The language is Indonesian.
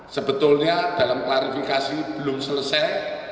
sebetulnya dalam klarifikasi belum selesai